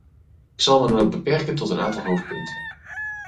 Ik zal me dan ook beperken tot een aantal hoofdpunten.